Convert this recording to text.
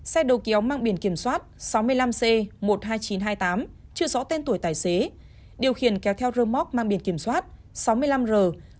xe đầu kéo mang biển kiểm soát sáu mươi năm c một mươi hai nghìn chín trăm hai mươi tám chưa rõ tên tuổi tài xế điều khiển kéo theo rơ móc mang biển kiểm soát sáu mươi năm r sáu trăm linh bảy